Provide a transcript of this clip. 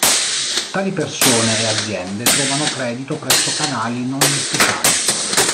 Tali persone e aziende trovano credito presso canali non ufficiali.